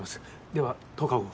では１０日後。